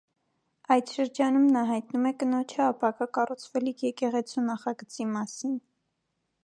Այդ շրջանում նա հայտնում է կնոջը ապագա կառուցվելիք եկեղեցու նախագծի մասին։